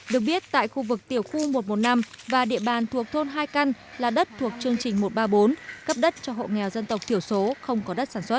được biết tại khu vực tiểu khu một trăm một mươi năm và địa bàn thuộc thôn hai căn là đất thuộc chương trình một trăm ba mươi bốn cấp đất cho hộ nghèo dân tộc thiểu số không có đất sản xuất